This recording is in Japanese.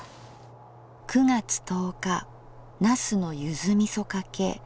９月１０日「茄子のゆづみそかけ」。